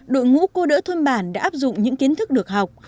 đội ngũ cô đỡ thôn bản đã áp dụng những kiến thức được học